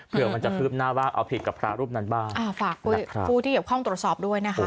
เพื่อมันจะคืบหน้าว่าเอาผิดกับพระรูปนั้นบ้างอ่าฝากผู้ที่เกี่ยวข้องตรวจสอบด้วยนะคะ